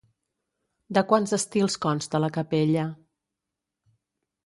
De quants estils consta la capella?